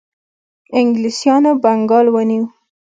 انګلیسانو بنګال ونیو.